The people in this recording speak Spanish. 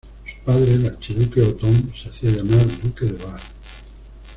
Su padre, el archiduque Othon, se hacia llamar duque de Bar.